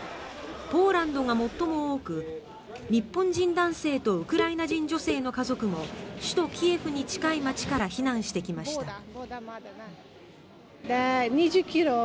ポーランドが最も多く日本人男性とウクライナ人女性の家族も首都キエフに近い街から避難してきました。